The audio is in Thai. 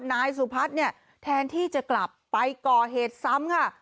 นายสุพัฒน์เนี่ยแทนที่จะกลับไปก่อเหตุซ้ำค่ะ